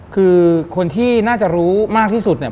คือคนที่น่าจะรู้มากที่สุดเนี่ย